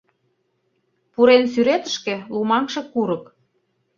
Пурен сӱретышке лумаҥше курык.